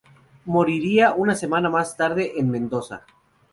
Moriría una semana más tarde, en Mendoza.